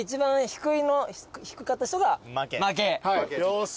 よし。